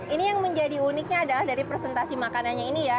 ini yang menjadi uniknya adalah dari presentasi makanannya ini ya